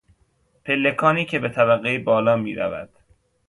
پلکانی که به طبقهی بالا میرود